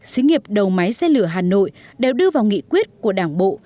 xí nghiệp đầu máy xe lửa hà nội đều đưa vào nghị quyết của đảng bộ